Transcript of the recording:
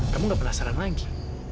kamu gak penasaran lagi